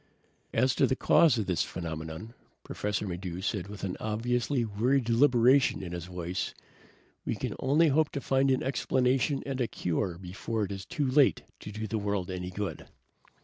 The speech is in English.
"As to the cause of this phenomenon," Professor Maddox said with an obviously weary deliberation in his voice, "we can only hope to find an explanation and a cure before it is too late to do the world any good."